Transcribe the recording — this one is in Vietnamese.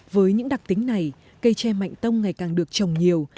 với những đặc tính này cây tre mạnh tông ngày càng được trồng nhiều